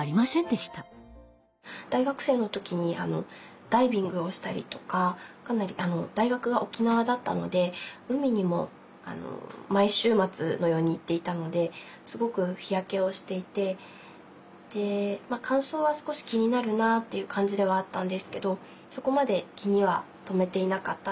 大学生の時にダイビングをしたりとか大学が沖縄だったので海にも毎週末のように行っていたのですごく日焼けをしていて乾燥は少し気になるなっていう感じではあったんですけどそこまで気には留めていなかったんです。